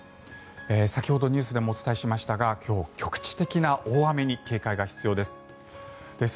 先ほどニュースでもお伝えしましたが今日、局地的な大雨に警戒が必要です。